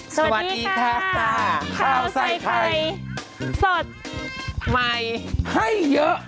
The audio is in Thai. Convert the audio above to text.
สวัสดีค่ะข้าวใส่ไข่สดใหม่ให้เยอะ